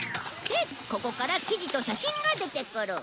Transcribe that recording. でここから記事と写真が出てくる。